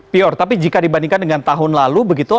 pior tapi jika dibandingkan dengan tahun lalu begitu